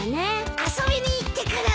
遊びに行ってくる！